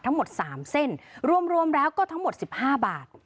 ทั้งหมดสามเส้นรวมรวมแล้วก็ทั้งหมดสิบห้าบาท